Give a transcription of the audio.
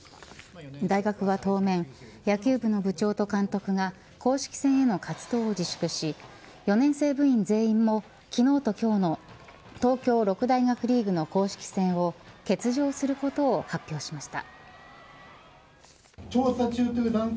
大学は当面野球部の部長と監督が公式戦への活動を自粛し４年生部員全員も昨日と今日の東京六大学リーグの公式戦を欠場することを発表しました。